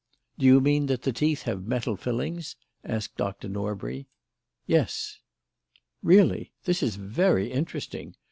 "Do you mean that the teeth have metal fillings?" asked Dr. Norbury. "Yes." "Really! This is very interesting.